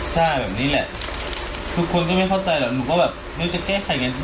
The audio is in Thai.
ใช่แบบนี้แหละทุกคนก็ไม่เข้าใจหรอกหนูก็แบบหนูจะแก้ใครอย่างงั้น